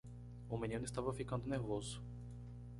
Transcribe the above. O menino estava ficando nervoso.